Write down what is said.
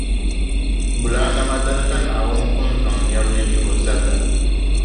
Bulaa nama dali ka Naawuni pun zaŋ nyɛbili n-yihi o zaka.